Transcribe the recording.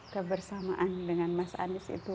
kebersamaan dengan mas anies itu